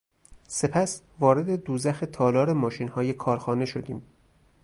سپس وارد دوزخ تالار ماشینهای کارخانه شدیم.